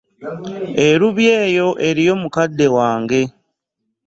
E Lubya eyo eriyo mukadde wange.